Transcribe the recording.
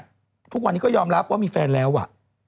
อันนั้นก็ต้องไปรีแพร่วะ